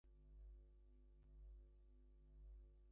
It then transferred to the Kennedy Center.